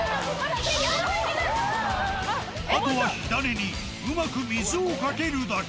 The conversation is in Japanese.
あとは火種にうまく水をかけるだけ。